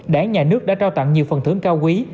đảng nhà nước đã trao tặng nhiều phần thưởng cao quý